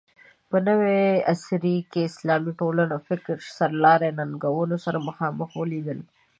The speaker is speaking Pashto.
په نوي عصر کې اسلامي ټولنو فکر سرلارو ننګونو سره مخامخ ولیدل